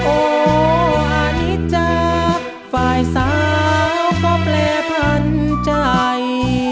นิดจากฝ่ายสาวก็แปรพันใจ